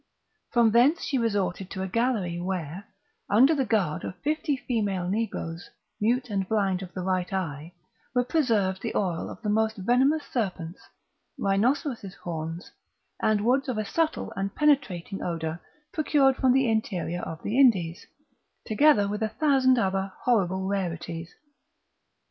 From thence she resorted to a gallery where, under the guard of fifty female negroes, mute and blind of the right eye, were preserved the oil of the most venomous serpents, rhinoceros' horns, and woods of a subtle and penetrating odour procured from the interior of the Indies, together with a thousand other horrible rarities.